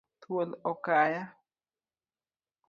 Thuol okaya.